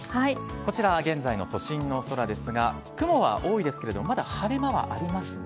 こちら、現在の都心の空ですが、雲は多いですけれども、まだ晴れ間はありますね。